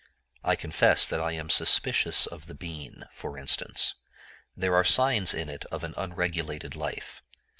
I confess that I am suspicious of the bean, for instance. There are signs in it of an unregulated life.